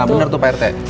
nah bener tuh pak rt